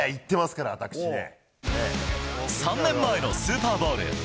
３年前のスーパーボウル。